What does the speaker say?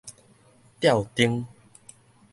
吊燈